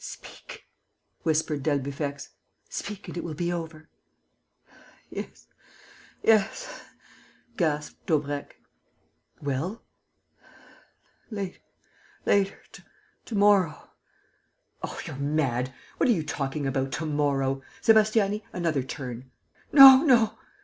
"Speak," whispered d'Albufex. "Speak and it will be over." "Yes ... yes ..." gasped Daubrecq. "Well...?" "Later ... to morrow...." "Oh, you're mad!... What are you talking about: to morrow?... Sébastiani, another turn!" "No, no!"